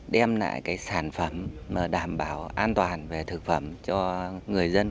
đem lại cái sản phẩm mà đảm bảo an toàn về thực phẩm cho người dân